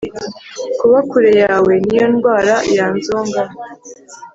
kuba kure yawe niyo ndwara yanzonga